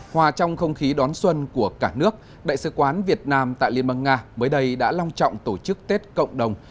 hòa trong không khí đón xuân của cả nước đại sứ quán việt nam tại liên bang nga mới đây đã long trọng tổ chức tết cộng đồng